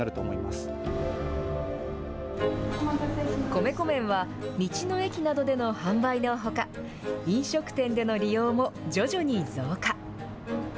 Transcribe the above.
米粉麺は、道の駅などでの販売のほか、飲食店での利用も徐々に増加。